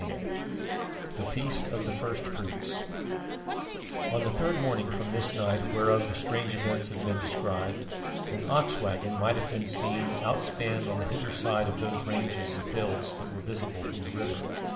CHAPTER V THE FEAST OF THE FIRST FRUITS On the third morning from this night whereof the strange events have been described, an ox waggon might have been seen outspanned on the hither side of those ranges of hills that were visible from the river.